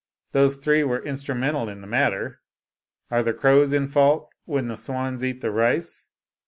Those three were in strumental in the matter. Are the crows in fault when the swans eat the rice?